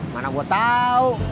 mana gue tahu